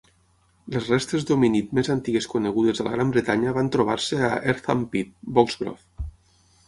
Les restes d'homínid més antigues conegudes a la Gran Bretanya van trobar-se a Eartham Pit, Boxgrove.